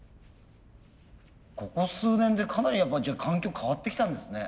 ここ数年でかなりやっぱ環境変わってきたんですね。